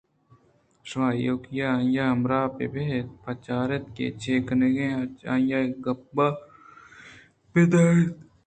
شما ایوک ءَ آئی ہمراہ بہ بئیت ءُبچار اِت کہ چے کنت ءُآئی ءَ گپّ ءَ بہ دار اِت